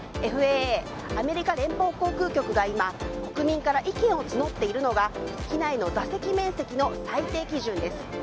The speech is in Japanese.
ＦＡＡ・アメリカ連邦航空局が今、国民から意見を募っているのが機内の座席面積の最低基準です。